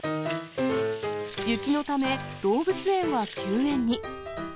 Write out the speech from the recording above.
雪のため、動物園は休園に。